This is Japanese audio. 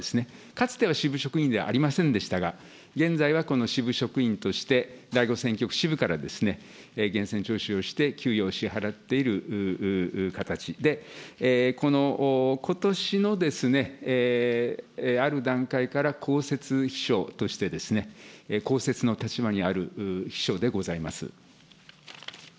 かつては支部職員ではありませんでしたが、現在はこの支部職員として、第５選挙区支部から源泉徴収をして、給与を支払っている形で、ことしのある段階から公設秘書として、公設の立場にある秘書でございます。